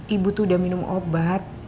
ibu tuh udah minum obat